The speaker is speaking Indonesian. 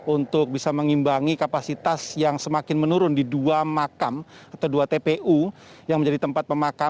untuk bisa mengimbangi kapasitas yang semakin menurun di dua makam atau dua tpu